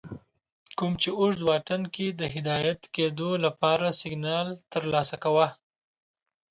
کوم چې اوږد واټن کې د هدایت کېدو لپاره سگنال ترلاسه کوه